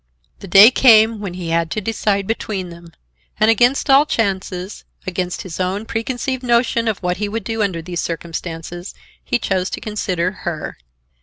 The day came when he had to decide between them, and, against all chances, against his own preconceived notion of what he would do under these circumstances, he chose to consider her.